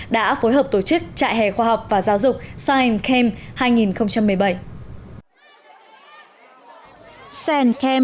đã phối hợp tổ chức trại hè khoa học và giáo dục science camp hai nghìn một mươi bảy